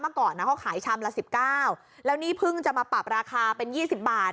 ก่อนเขาขายชามละ๑๙แล้วนี่เพิ่งจะมาปรับราคาเป็น๒๐บาท